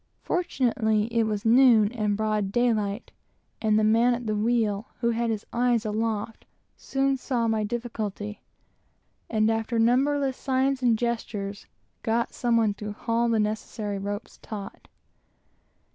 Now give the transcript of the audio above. Fortunately, it was noon and broad daylight, and the man at the wheel, who had his eyes aloft, soon saw my difficulty, and after numberless signs and gestures, got some one to haul the necessary ropes taut.